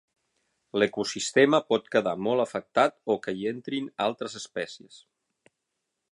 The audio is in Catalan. L'ecosistema pot quedar molt afectat o que hi entrin altres espècies.